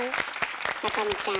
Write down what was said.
さとみちゃん